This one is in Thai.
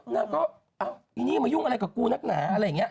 นางก็อ้าวอินี่มายุ่งอะไรกับกูนักหนา